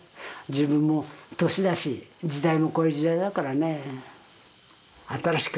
自分も年だし時代もこういう時代だからね。